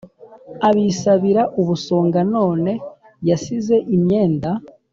Abisabira ubasonga None yasize imyenda!